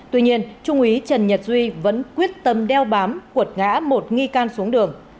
tuy nhiên trung úy trần nhật duy vẫn quyết tâm đeo bám quật ngã một nghi can xuống đường